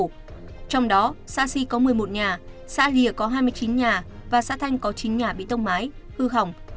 trong đó xã si có một mươi một nhà xã rìa có hai mươi chín nhà và xã thanh có chín nhà bị tốc mái hư hỏng